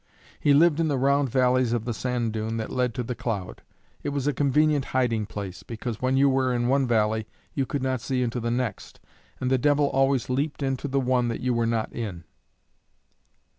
He lived in the round valleys of the sand dune that led to The Cloud. It was a convenient hiding place, because when you were in one valley you could not see into the next, and the devil always leaped into the one that you were not in.